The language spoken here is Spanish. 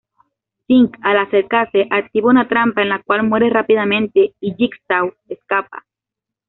Sing al acercarse, activa una trampa, en la cual muere rápidamente y Jigsaw escapa.